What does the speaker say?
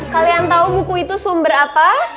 kalian tahu buku itu sumber apa